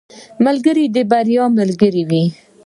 ملګری د بریا ملګری وي.